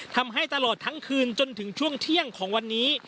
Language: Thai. ทำให้ตลอดทั้งคืนจนถึงช่วงเที่ยงของวันนี้